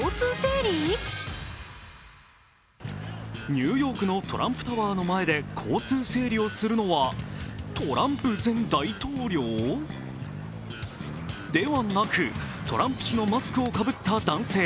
ニューヨークのトランプタワーの前で交通整理をするのはトランプ前大統領？ではなく、トランプ氏のマスクをかぶった男性。